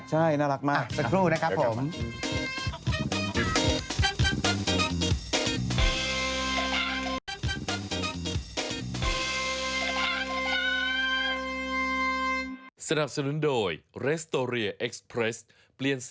ใช่ไหมเข็ดรถใช่ไหมอ๋อน่ารักมากสักครู่นะครับผม